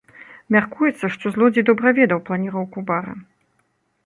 Мяркуецца, што злодзей добра ведаў планіроўку бара.